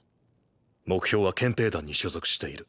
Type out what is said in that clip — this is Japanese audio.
目標は憲兵団に所属している。